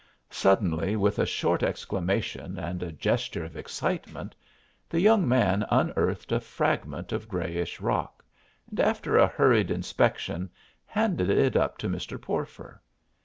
Suddenly, with a short exclamation and a gesture of excitement, the young man unearthed a fragment of grayish rock, and after a hurried inspection handed it up to Mr. Porfer.